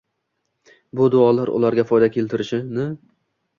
Bu duolar ularga foyda keltirishini